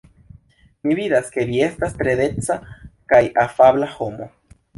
Mi vidas ke vi estas tre deca kaj afabla homo.